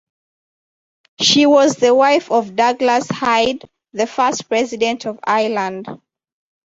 She was the wife of Douglas Hyde, the first President of Ireland.